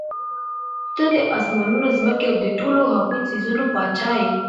ته د آسمانونو، ځمکي او د ټولو هغو څيزونو باچا ئي